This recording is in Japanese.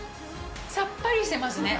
さっぱりしてますね。